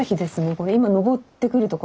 これ今昇ってくるところ。